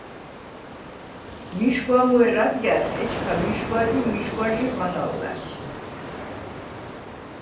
მიშგუ̂ა მუ ერ ადგა̈რხ, ეჩქა მიშგუ̂ა დი მიშგუ̂აჟი ღანაუ̂ ლა̈სუ̂.